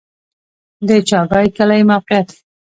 د چاګای کلی موقعیت